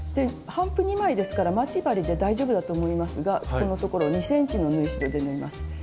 帆布２枚ですから待ち針で大丈夫だと思いますがそこのところ２ｃｍの縫い代で縫います。